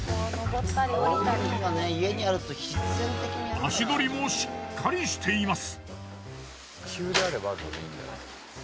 足取りもしっかりしています。